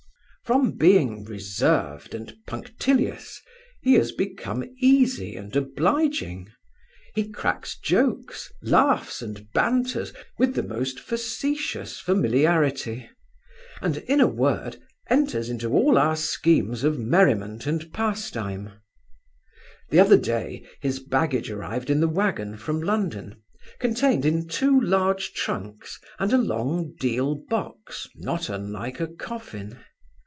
From being reserved and punctilious, he is become easy and obliging. He cracks jokes, laughs and banters, with the most facetious familiarity; and, in a word, enters into all our schemes of merriment and pastime The other day his baggage arrived in the waggon from London, contained in two large trunks and a long deal box not unlike a coffin.